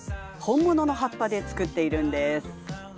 本物の葉っぱで作っているんです。